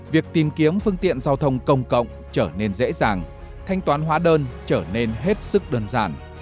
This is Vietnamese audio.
việc tìm kiếm phương tiện giao thông công cộng trở nên dễ dàng thanh toán hóa đơn trở nên hết sức đơn giản